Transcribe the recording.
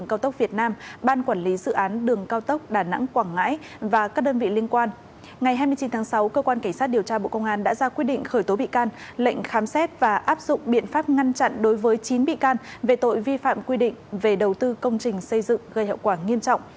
ngày hai mươi chín tháng sáu cơ quan cảnh sát điều tra bộ công an đã ra quyết định khởi tố bị can lệnh khám xét và áp dụng biện pháp ngăn chặn đối với chín bị can về tội vi phạm quy định về đầu tư công trình xây dựng gây hậu quả nghiêm trọng